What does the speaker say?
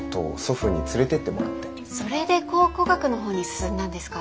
それで考古学のほうに進んだんですか？